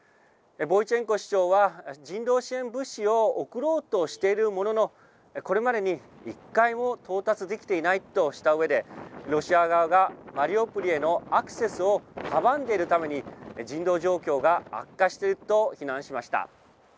ボイチェンコ市長は人道支援物資を送ろうとしているもののこれまでに１回も到達できていないとしたうえでロシア側がマリウポリへのアクセスを阻んでいるために人道状況が悪化していると非難しました。